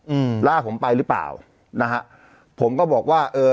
อืมล่าผมไปหรือเปล่านะฮะผมก็บอกว่าเออ